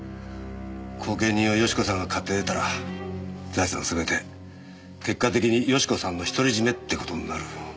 後見人を喜子さんが買って出たら財産はすべて結果的に喜子さんの独り占めって事になる。